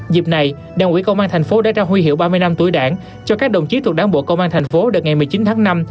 dịp này đảng ủy công an tp hcm đã ra huy hiệu ba mươi năm tuổi đảng cho các đồng chí thuộc đảng bộ công an tp hcm đợt ngày một mươi chín tháng năm